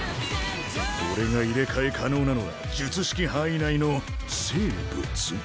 俺が入れ替え可能なのは術式範囲内の生物？